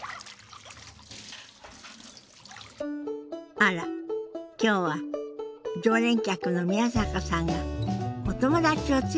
あら今日は常連客の宮坂さんがお友達を連れてきたみたい。